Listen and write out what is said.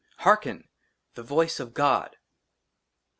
HEARKEN ! THE VOICE OF GOD